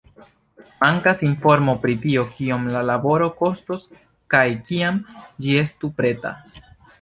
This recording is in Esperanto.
Mankas informo pri tio, kiom la laboro kostos kaj kiam ĝi estu preta.